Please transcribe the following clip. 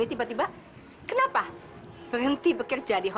tidak segampang itu ngerti